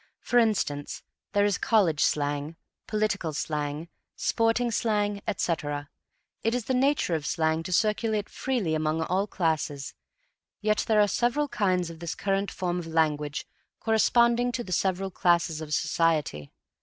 For instance, there is college slang, political slang, sporting slang, etc. It is the nature of slang to circulate freely among all classes, yet there are several kinds of this current form of language corresponding to the several classes of society.